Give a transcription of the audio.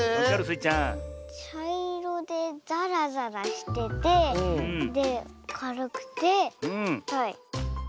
ちゃいろでざらざらしててでかるくてはい。